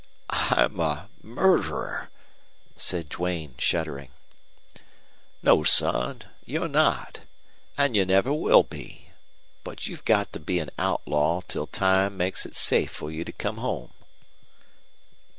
"I'm a murderer," said Duane, shuddering. "No, son, you're not. An' you never will be. But you've got to be an outlaw till time makes it safe for you to come home."